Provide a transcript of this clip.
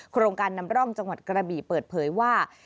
โครงการนำร่องจังหวัดกระบี่เปิดเผยว่า